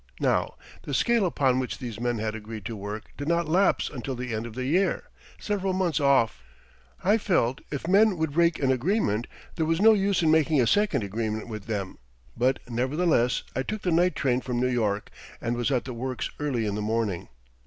Now, the scale upon which these men had agreed to work did not lapse until the end of the year, several months off. I felt if men would break an agreement there was no use in making a second agreement with them, but nevertheless I took the night train from New York and was at the works early in the morning.